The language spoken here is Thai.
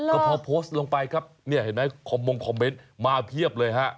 ก็พอโพสต์ลงไปครับเนี่ยเห็นไหมคอมมงคอมเมนต์มาเพียบเลยฮะ